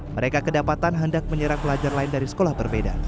mereka kedapatan hendak menyerang pelajar lain dari sekolah berbeda